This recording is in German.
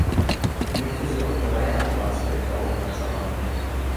Ich möchte Sie auf drei andere Aspekte aufmerksam machen.